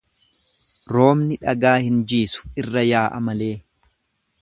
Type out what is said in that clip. Roobni dhagaa hin jiisu irra yaa'a malee.